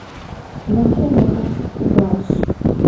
Nexhri nexhıf' sxhujjaş.